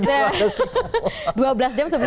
dua belas jam sebelum